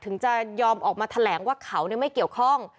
ถึงจะยอมออกมาแถลงว่าเขาไม่เกี่ยวข้อง